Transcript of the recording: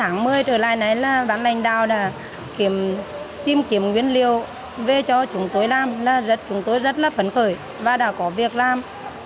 người dân đã tìm kiếm nguồn hàng về để chúng tôi có công an việc làm